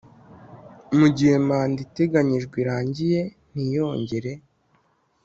Mu gihe manda iteganyijwe irangiye ntiyongere